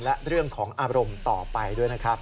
และเรื่องของอารมณ์ต่อไปด้วยนะครับ